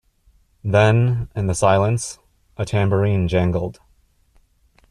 Then, in the silence, a tambourine jangled.